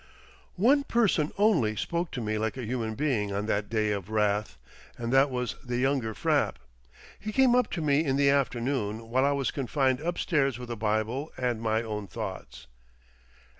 One person only spoke to me like a human being on that day of wrath, and that was the younger Frapp. He came up to me in the afternoon while I was confined upstairs with a Bible and my own thoughts.